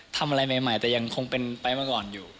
ทำอะไรใหม่แต่ยังคงเป็นไปมาก่อนอยู่